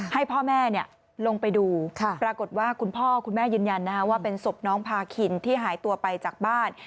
ให้พ่อแม่ลงไปดูปรากฏว่าคุณพ่อคุณแม่ยืนยันว่าเป็นศพน้องพาคินที่หายตัวไปจากบ้าน